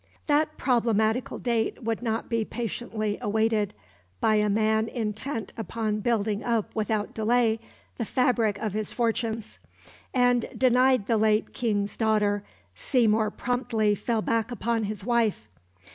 That problematical date would not be patiently awaited by a man intent upon building up without delay the fabric of his fortunes; and, denied the late King's daughter, Seymour promptly fell back upon his wife.